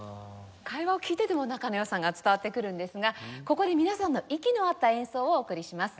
会話を聞いていても仲の良さが伝わってくるんですがここで皆さんの息の合った演奏をお送りします。